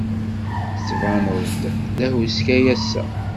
Tettbaned-d d ahuskay ass-a.